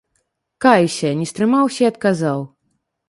Каюся, не стрымаўся і адказаў.